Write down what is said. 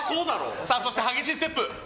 そして、激しいステップ。